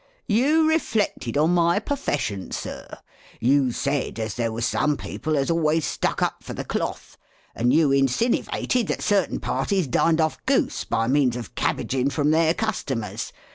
" You reflected on my perfession, Sir ; you said, as there was some people as always stuck up for the cloth; and you insinnivated that certain parties dined off goose by means of cabhaging from their customers.